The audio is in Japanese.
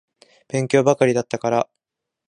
勉強ばっかりだったから。